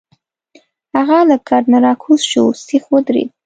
هغه له کټ نه راکوز شو، سیخ ودرید.